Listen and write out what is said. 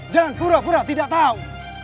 jangan pura pura tidak tahu